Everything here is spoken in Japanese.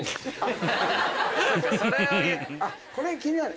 あっこれが気になる？